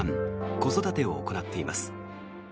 子育てを行っています。